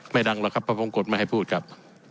ดังหรอกครับพระพงกฎไม่ให้พูดครับ